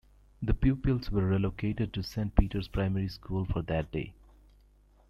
The pupils were relocated to Saint Peters Primary School for that day.